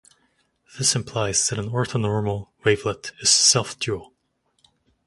This implies that an orthonormal wavelet is self-dual.